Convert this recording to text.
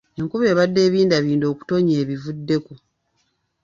Enkuba ebadde ebindabinda okutonya ebivuddeko.